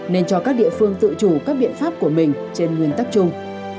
nên cho các địa phương tự chủ các biện pháp của mình trên nguyên tắc chung